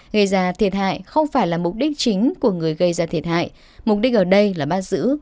gây ra thiệt hại không phải là mục đích chính của người gây ra thiệt hại mục đích ở đây là bắt giữ